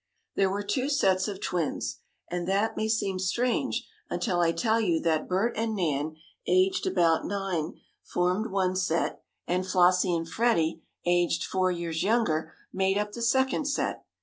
There were two sets of twins, and that may seem strange until I tell you that Bert and Nan, aged about nine, formed one set, and Flossie and Freddie, aged four years younger, made up the second set.